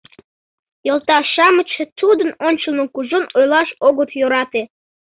Йолташ-шамычше тудын ончылно кужун ойлаш огыт йӧрате.